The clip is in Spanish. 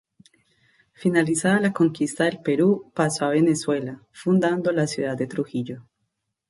Finalizada la conquista del Perú pasó a Venezuela, fundando la ciudad de Trujillo.